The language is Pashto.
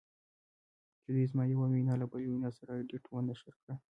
چې دوی زما یوه وینا له بلې وینا سره ایډیټ و نشر کړې